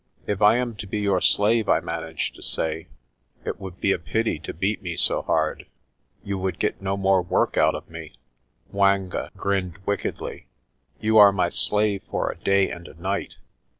"If I am to be your slave," I managed to say, "it would be a pity to beat me so hard. You would get no more work out of me." 'Mwanga grinned wickedly. "You are my slave for a day and a night.